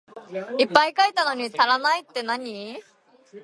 いっぱい書いたのに足らないってなに？